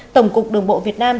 tổng cục đồng bộ việt nam